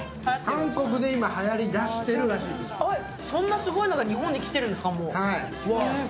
そんなすごいのが日本にもう来てるんですか。